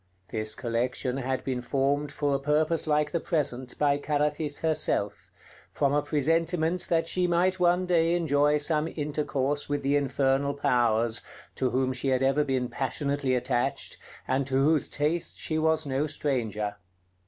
This collection had been formed for a purpose like the present by Carathis herself, from a presentiment that she might one day enjoy some intercourse with the infernal powers, to whom she had ever been passionately attached, and to whose taste she was no stranger.